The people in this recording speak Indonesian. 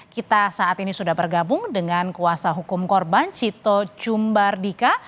kita saat ini sudah bergabung dengan kuasa hukum korban sito cumbardika